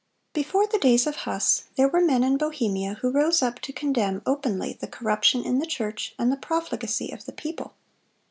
Before the days of Huss, there were men in Bohemia who rose up to condemn openly the corruption in the church and the profligacy of the people.